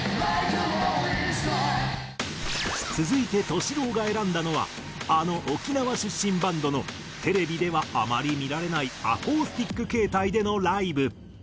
続いてＴＯＳＨＩ−ＬＯＷが選んだのはあの沖縄出身バンドのテレビではあまり見られないアコースティック形態でのライブ。